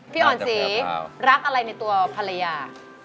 พี่อ่อนศรีรักอะไรในตัวภรรยา